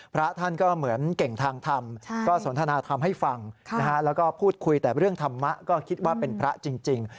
พระท่านก็เหมือนเก่งทางธรรมก็สนทนาธรรมให้ฟังแล้วก็พูดคุยแต่เรื่องธรรมะก็คิดว่าเป็นพระจริง